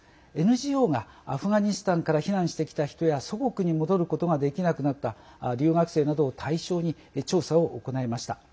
ＮＧＯがアフガニスタンから避難してきた人や祖国に戻ることができなくなった留学生などを対象に調査を行いました。